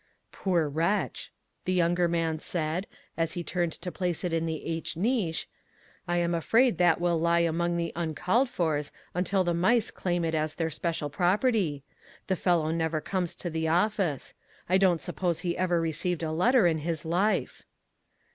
" Poor wretch !" the younger man said, as he turned to place it in the II niche, "I am afraid that will lie among the 'un called forV until the mice claim it as their special property. The fellow never comes to the office. I don't suppose he ever re ceived a letter in his life."